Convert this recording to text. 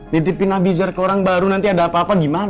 nitipin avizer ke orang baru nanti ada apa apa gimana